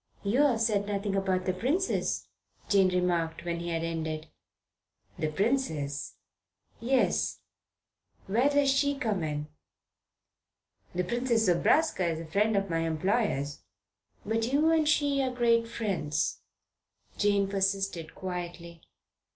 "You've said nothing about the princess," Jane remarked, when he had ended. "The princess?" "Yes. Where does she come in?" "The Princess Zobraska is a friend of my employers." "But you and she are great friends," Jane persisted quietly.